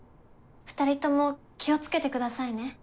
２人とも気を付けてくださいね。